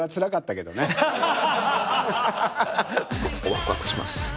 ワクワクします。